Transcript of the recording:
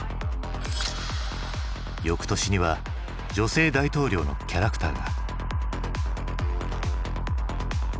よくとしには女性大統領のキャラクターが。